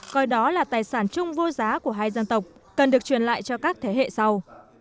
coi đó là tài sản chung vô giá của hai dân tộc cần được truyền lại cho các thế hệ sau